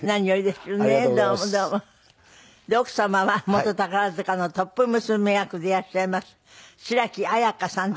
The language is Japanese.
で奥様は元宝塚のトップ娘役でいらっしゃいます白城あやかさん